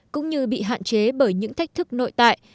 cũng như bị hạn chế bởi những thách thức nội tại